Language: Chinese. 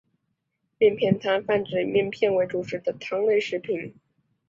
面片汤泛指以面片为主食的汤类食品。